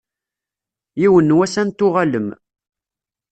Yiwen n wass ad n-tuɣalem.